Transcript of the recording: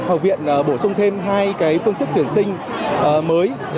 học viện bổ sung thêm hai phương thức tuyển sinh mới